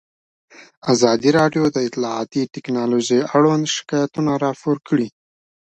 ازادي راډیو د اطلاعاتی تکنالوژي اړوند شکایتونه راپور کړي.